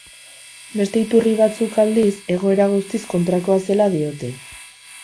Beste iturri batzuk, aldiz, egoera guztiz kontrakoa zela diote.